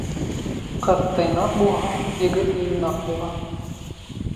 Ҡыҙ тыйнаҡ булһа, егет йыйнаҡ була.